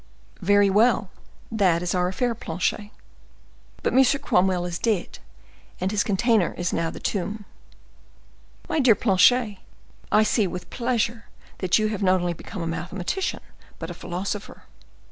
"Very well! That is our affair, Planchet." "But M. Cromwell is dead, and his container is now the tomb." "My dear Planchet, I see with pleasure that you have not only become a mathematician, but a philosopher."